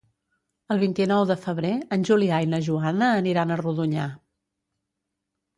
El vint-i-nou de febrer en Julià i na Joana aniran a Rodonyà.